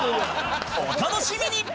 お楽しみに！